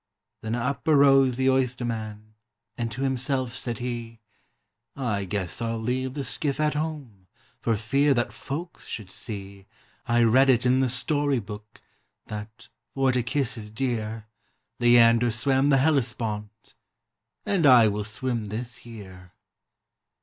Then up arose the oysterman, and to himself said he, "I guess I 'll leave the skiff at home, for fear that folks should see I read it in the story book, that, for to kiss his dear, Leander swam the Hellespont, and I will swim this here."